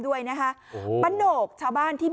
หญิงบอกว่าจะเป็นพี่ปวกหญิงบอกว่าจะเป็นพี่ปวก